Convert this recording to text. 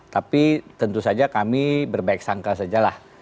tapi tentu saja kami berbaik sangka saja lah